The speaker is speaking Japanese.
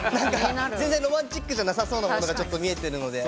全然ロマンチックじゃなさそうなものがちょっと見えてるので。